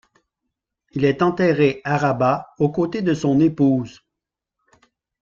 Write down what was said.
Il est enterré à Rabat aux côtés de son épouse.